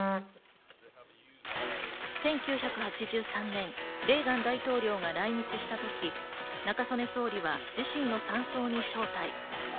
１９８３年、レーガン大統領が来日したとき、中曽根総理は自身の山荘に招待。